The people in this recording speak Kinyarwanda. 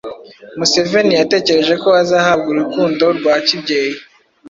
Museveni yatekereje ko azahabwa urukundo rwa kibyeyi